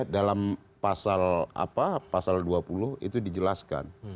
dalam pasal apa pasal dua puluh itu dijelaskan